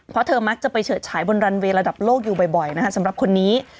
เพราะเธอมักจะไปเฉิดฉายบนรันเวย์ระดับโลกอยู่บ่อยนะคะสำหรับคนนี้